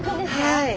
はい。